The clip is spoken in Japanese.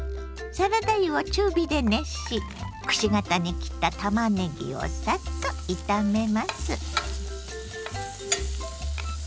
サラダ油を中火で熱しくし形に切ったたまねぎをサッと炒めます。